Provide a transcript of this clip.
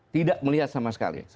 tidak melihat sama sekali